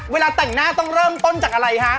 เวลาแต่งหน้าต้องเริ่มต้นจากอะไรฮะ